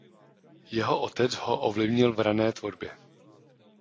Jeho otec ho ovlivnil v rané tvorbě.